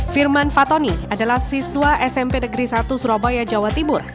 firman fatoni adalah siswa smp negeri satu surabaya jawa timur